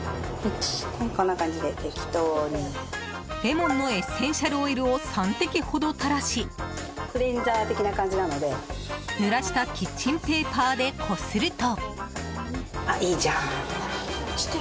レモンのエッセンシャルオイルを３滴ほど垂らしぬらしたキッチンペーパーでこすると。